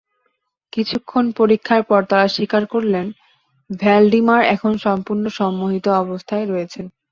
কিছুক্ষণ পরীক্ষার পর তাঁরা স্বীকার করলেন, ভ্যালডিমার এখন সম্পূর্ণ সম্মোহিত অবস্থায় রয়েছেন।